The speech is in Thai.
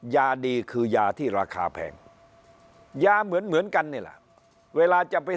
ยาดีคือยาที่ราคาแพงยาเหมือนกันนี่แหละเวลาจะไป